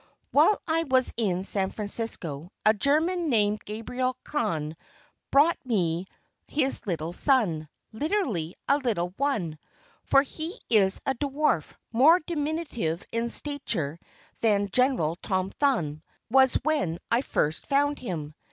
While I was in San Francisco, a German named Gabriel Kahn brought to me his little son literally a little one, for he is a dwarf more diminutive in stature than General Tom Thumb was when I first found him.